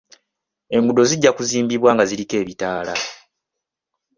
Enguudo zijja kuzimbibwa nga ziriko ebitaala.